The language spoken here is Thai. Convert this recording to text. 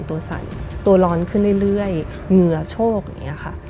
ตัวสั่นตัวร้อนขึ้นเรื่อยเหงื่อโชคอย่างนี้ค่ะ